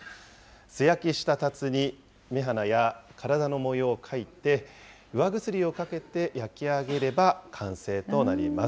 素焼きしたたつに目鼻や体の模様を描いて、釉薬をかけて焼き上げれば完成となります。